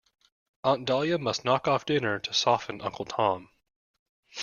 Aunt Dahlia must knock off dinner to soften Uncle Tom.